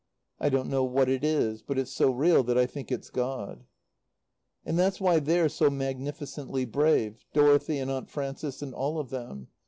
"I don't know what it is. But it's so real that I think it's God." "That's why they're so magnificently brave Dorothy and Aunt Frances and all of them.